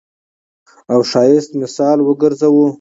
او ښايست مثال وګرځوو.